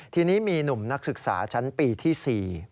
ทีนี้มีหนุ่มนักศึกษาชั้นปีที่๔